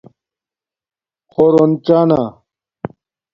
خݸرونڅانہ